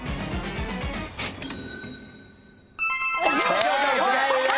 正解です！